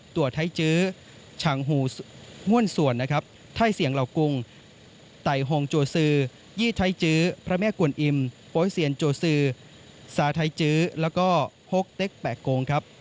ตัวไทยจื้อชังหูห้วนสวนไทยเสียงเหล่ากุงไตหงจวสือยี่ไทยจื้อพระแม่กวนอิมโป๊ยเซียนจวสือสาไทยจื้อและหกเต็กแปะโกงครับ